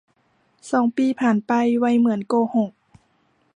สองปีผ่านไป ไวเหมือนโกหก